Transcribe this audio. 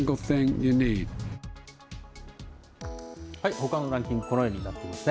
ほかのランキング、このようになってますね。